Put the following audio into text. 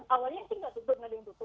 awalnya sih tidak tutup tidak ditinggalkan